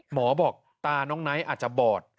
หมอบอกตาน้องไนท์อาจจะบอด